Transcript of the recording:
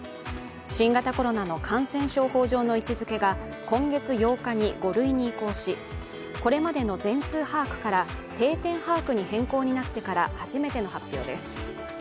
新型コロナの感染症法上の位置づけが今月８日に５類に移行しこれまでの全数把握から定点把握に変更になってから初めての発表です。